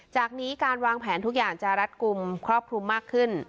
จากนี้การวางแผนทุกอย่างจะรัดกลุ่มครอบคลุมมากขึ้น